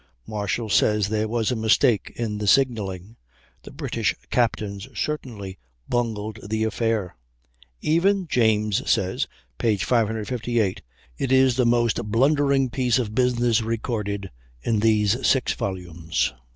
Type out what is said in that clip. Marshall says there was a mistake in the signalling. The British captains certainly bungled the affair; even James says (p. 558): "It is the most blundering piece of business recorded in these six volumes."